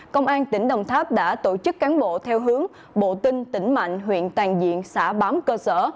công an tỉnh đồng tháp đã tổ chức cán bộ theo hướng bộ tinh tỉnh mạnh huyện toàn diện xã bám cơ sở